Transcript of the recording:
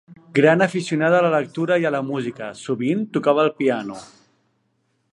Gran aficionada a la lectura i a la música, sovint tocava el piano.